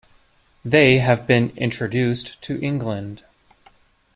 They have been introduced to England.